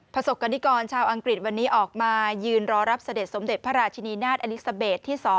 ประสบกรณิกรชาวอังกฤษวันนี้ออกมายืนรอรับเสด็จสมเด็จพระราชินีนาฏอลิซาเบสที่๒